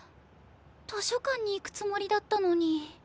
図書館に行くつもりだったのに。